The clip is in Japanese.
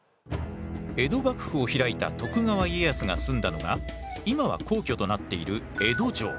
江戸幕府を開いた徳川家康が住んだのが今は皇居となっている江戸城。